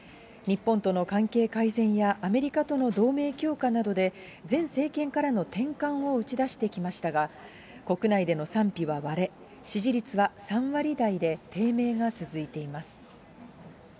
日本との関係改善やアメリカとの同盟強化などで、前政権からの転換を打ち出してきましたが、国内での賛否は割れ、支持率は３割台で低迷が続いています。